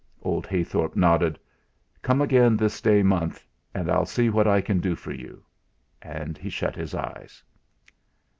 Old Heythorp nodded. "Come again this day month, and I'll see what I can do for you;" and he shut his eyes.